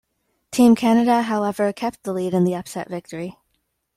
Team Canada, however, kept the lead in the upset victory.